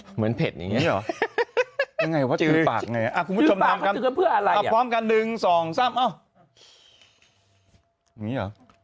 เหมือนเผ็ดอย่างเงี้ย